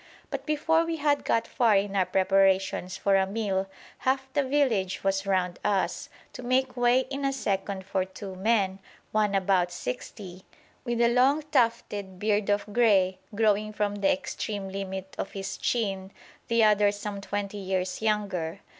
But before we had got far in our preparations for a meal half the village was round us, to make way in a second for two men, one about sixty, with a long tufted beard of grey, growing from the extreme limit of his chin, the other some twenty years younger.